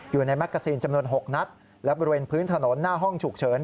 แมกกาซีนจำนวน๖นัดและบริเวณพื้นถนนหน้าห้องฉุกเฉิน